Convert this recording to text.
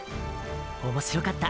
おもしろかった。